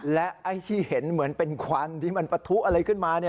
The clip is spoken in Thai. และไอ้ที่เห็นเหมือนเป็นควันที่มันปะทุอะไรขึ้นมา